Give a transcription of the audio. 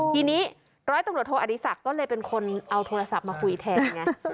ทีนี้ร้อยตำรวจโทอดีศักดิ์ก็เลยเป็นคนเอาโทรศัพท์มาคุยแทนไง